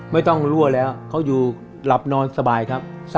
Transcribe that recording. ไม่ต้องรั่วแล้วเขาอยู่หลับนอนสบายครับ